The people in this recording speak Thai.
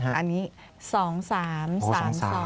อันนี้๒๓๓๒